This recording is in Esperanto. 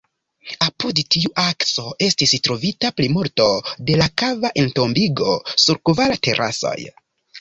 Apud tiu akso estis trovita plimulto de la kava entombigo, sur kvar terasoj.